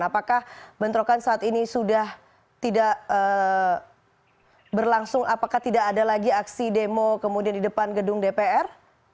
apakah bentrokan saat ini sudah tidak berlangsung apakah tidak ada lagi aksi demo kemudian di depan gedung dpr